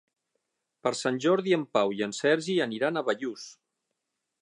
Per Sant Jordi en Pau i en Sergi aniran a Bellús.